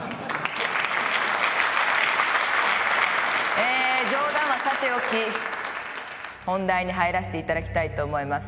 えー冗談はさておき本題に入らせていただきたいと思います。